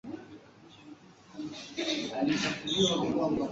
Jina la mchezaji bora wa mashindano kwa kipindi hicho cha mashindano